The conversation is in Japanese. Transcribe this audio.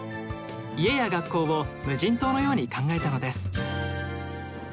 家や学校を無人島のように考えたのです。